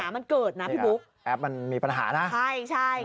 มันมีปัญหานะใช่